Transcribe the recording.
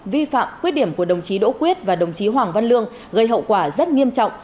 vi phạm khuyết điểm của đồng chí đỗ quyết và đồng chí hoàng văn lương gây hậu quả rất nghiêm trọng